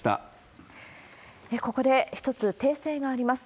ここで一つ訂正があります。